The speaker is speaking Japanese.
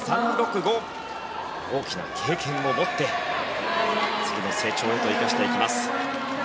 大きな経験を持って次の成長へと生かしていきます。